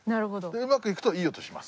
うまくいくといい音します。